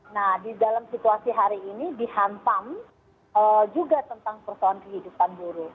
nah di dalam situasi hari ini dihantam juga tentang persoalan kehidupan buruh